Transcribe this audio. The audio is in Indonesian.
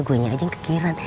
guenya aja yang kekiran